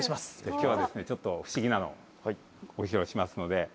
今日はちょっと不思議なのご披露しますので。